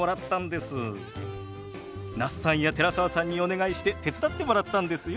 那須さんや寺澤さんにお願いして手伝ってもらったんですよ。